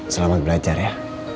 selamat belajar ya